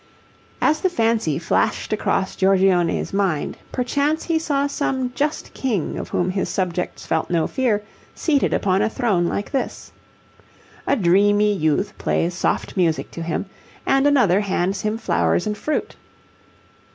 As the fancy flashed across Giorgione's mind, perchance he saw some just king of whom his subjects felt no fear seated upon a throne like this. A dreamy youth plays soft music to him, and another hands him flowers and fruit.